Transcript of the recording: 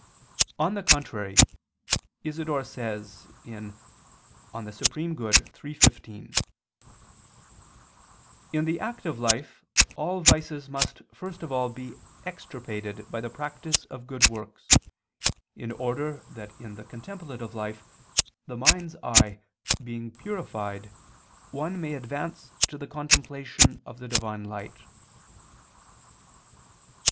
On the contrary, Isidore says (De Summo Bono iii, 15): "In the active life all vices must first of all be extirpated by the practice of good works, in order that in the contemplative life the mind's eye being purified one may advance to the contemplation of the Divine light."